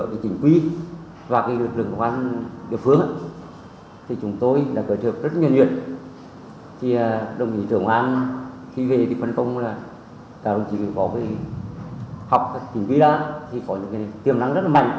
khi về phần công là cảm ơn chính quyền bảo vệ học tỉnh quy đa thì có những tiềm năng rất là mạnh